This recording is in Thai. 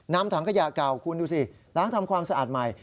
นำถังขยะเก่าคุณดูสิล้างทำความสะอาดใหม่